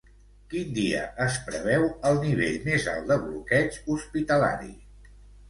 Quin dia es preveu el nivell més alt de bloqueig hospitalari?